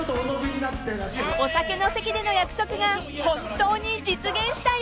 ［お酒の席での約束が本当に実現した夜］